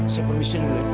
saya permisi dulu